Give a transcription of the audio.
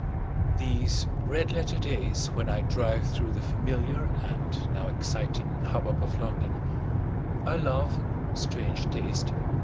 These red letter days when I drive through the familiar (and now exciting) hubbub of London, I love (strange taste!)